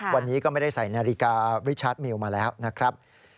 วันนี้ก็ไม่ได้ใส่นาฬิการิชาร์จเมลมาแล้วนะครับ